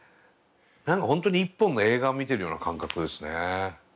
何かほんとに一本の映画を見てるような感覚ですね。